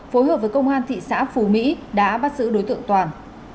phối hợp với công an thị xã phú mỹ đã bắt giữ đối tượng toàn